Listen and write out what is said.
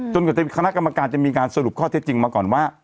กว่าคณะกรรมการจะมีการสรุปข้อเท็จจริงมาก่อนว่า